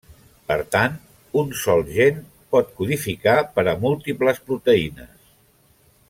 Per tant, un sol gen pot codificar per a múltiples proteïnes.